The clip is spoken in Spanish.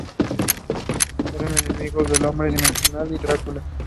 Eran enemigos del Hombre Dimensional y Drácula.